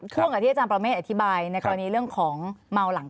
ช่วงกับที่อาจารย์ประเมฆอธิบายในกรณีเรื่องของเมาหลัง